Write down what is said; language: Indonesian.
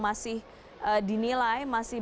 masih dinilai masih